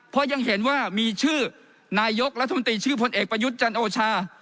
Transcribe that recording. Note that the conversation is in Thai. เพราะยังเห็นว่ามีชื่อนายกรัฐมนตรีชื่อพลเอกประยุทธ์จันโอชา